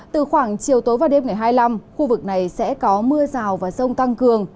từ khoảng chiều tối và đêm ngày hai mươi năm khu vực này sẽ có mưa rào và rông tăng cường